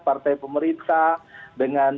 partai pemerintah dengan